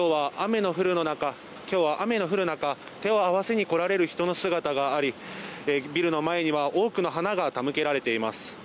今日は雨の降る中手を合わせに来られる人の姿がありビルの前には多くの花が手向けられています。